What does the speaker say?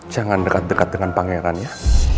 jangan dekat dekat dengan pangeran ya